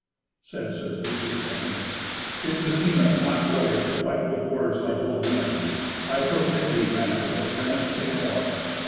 Said Sir Dietrich then, "It beseemeth not warriors to fight with words like old women. I forbid thee, Master Hildebrand, to say more.